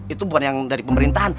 itu bukan yang dari pemerintahan